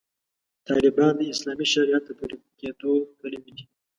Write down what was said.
طالبان د اسلامي شریعت د پلي کېدو پلوي دي.